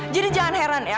jadi jangan heran ya